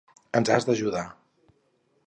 Ens has d'ajudar.